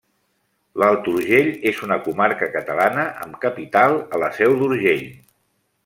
L'Alt Urgell és una comarca catalana amb capital a la Seu d'Urgell.